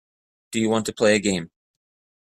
Do you want to play a game.